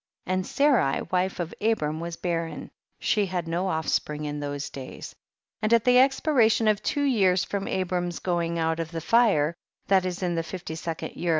And Sarai wife of Abram was barren ; she had no offspring in those days. 45. And at the expiration of two years from Abram's going out of the j fire, that is in the fifty second year